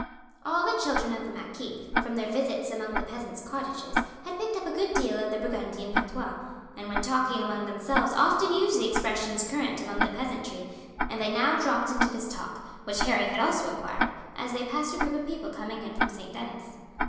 All the children of the marquis, from their visits among the peasants' cottages, had picked up a good deal of the Burgundian patois, and when talking among themselves often used the expressions current among the peasantry, and they now dropped into this talk, which Harry had also acquired, as they passed a group of people coming in from St. Denis.